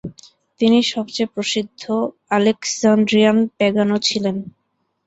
তিনি সবচেয়ে প্রসিদ্ধ আলেক্সান্দ্রিয়ান প্যাগান ও ছিলেন।